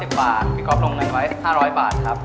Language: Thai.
๑๐บาทพี่ก๊อฟลงเงินไว้๕๐๐บาทครับ